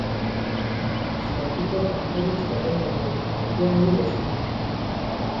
ସବୁ ତୋ ପାଖରୁ ଛଡ଼ାଇ ନେବେ, ଭକୁଆ ହୋଇ ବସିଥିବୁ ।